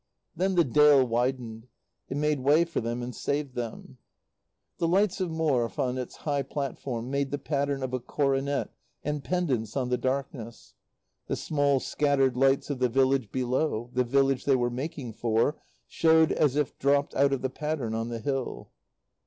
Then the dale widened; it made way for them and saved them. The lights of Morfe on its high platform made the pattern of a coronet and pendants on the darkness; the small, scattered lights of the village below, the village they were making for, showed as if dropped out of the pattern on the hill.